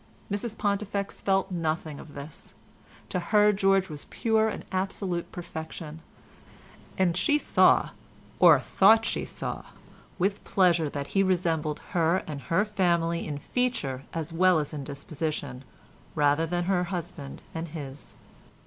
Mrs Pontifex felt nothing of this; to her George was pure and absolute perfection, and she saw, or thought she saw, with pleasure, that he resembled her and her family in feature as well as in disposition rather than her husband and his.